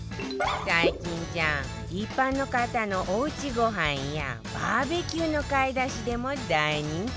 最近じゃ一般の方のおうちごはんやバーベキューの買い出しでも大人気よね